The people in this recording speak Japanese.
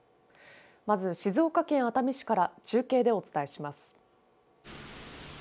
まず静岡県熱海市から中継でお伝えします。